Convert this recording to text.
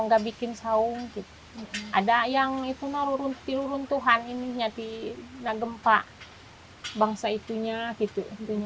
enggak bikin saung ada yang itu narurun tiru runtuhan ini nyati dan gempa bangsa itunya gitu